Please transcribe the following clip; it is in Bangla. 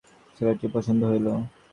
দূর হইতে দেখিয়া গৃহিণীর ছেলেটিকে পছন্দ হইল।